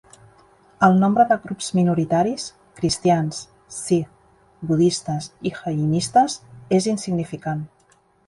El nombre de grups minoritaris (cristians, sikh, budistes i jainistes) és insignificant.